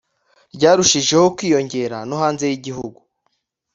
ryarushijeho kwiyongera no hanze yigihugu.